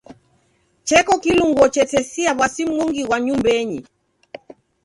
Cheko kilungo chetesia w'asi mungi ghwa nyumbenyi.